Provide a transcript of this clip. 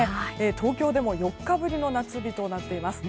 東京でも４日ぶりの夏日となっています。